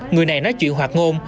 người này nói chuyện hoạt ngôn